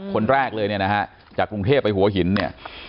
คนแรกเลยเนี่ยนะฮะจากกรุงเทพไปหัวหินเนี่ย